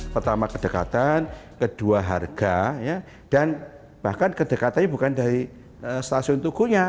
pertama kedekatan kedua harga dan bahkan kedekatannya bukan dari stasiun tukunya